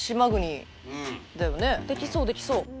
できそうできそう。